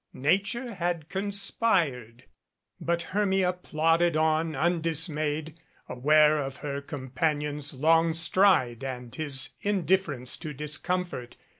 Nature had conspired. But Hermia plodded on undis mayed, aware of her companion's long stride and his in difference to discomfort.